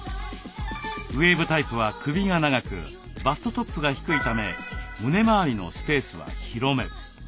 ウエーブタイプは首が長くバストトップが低いため胸回りのスペースは広め。